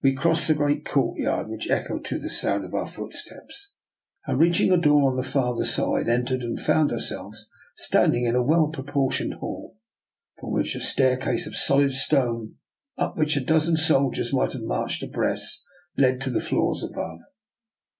157 crossed the great courtyard, which echoed to the sound of our footsteps, and, reaching a door on the farther side, entered and found ourselves standing in a well proportioned hall, from which a staircase of solid stone, up which a dozen soldiers might have marched abreast, led to the floors above.